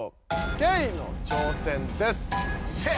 ケイの挑戦です。